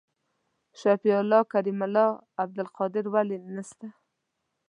شفیع الله کریم الله او عبدالقادر ولي نسته؟